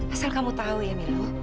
asal kamu tahu ya mila